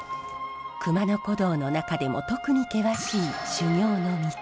熊野古道の中でも特に険しい修行の道。